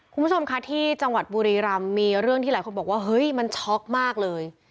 คุณผู้ชมค่ะที่จังหวัดบุรีรำมีเรื่องที่หลายคนบอกว่าเฮ้ยมันช็อกมากเลย